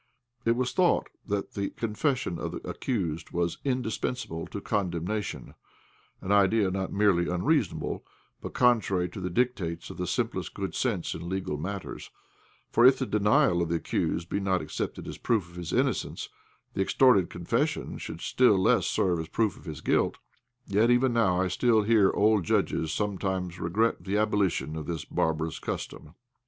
It was thought that the confession of the accused was indispensable to condemnation, an idea not merely unreasonable, but contrary to the dictates of the simplest good sense in legal matters, for, if the denial of the accused be not accepted as proof of his innocence, the extorted confession should still less serve as proof of his guilt. Yet even now I still hear old judges sometimes regret the abolition of this barbarous custom.